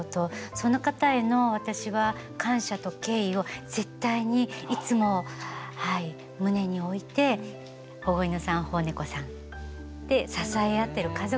その方への私は感謝と敬意を絶対にいつも胸に置いて保護犬さん保護猫さんで支え合ってる家族で。